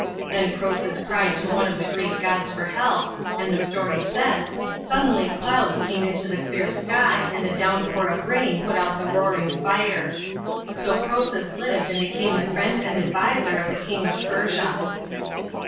Then Croesus cried to one of the Greek gods for help, ard the story says, suddenly clouds came into the clear sky and a downpour of rain put out the roaring fire. So Croesus lived and became the o friend and adviser of the King of Persia.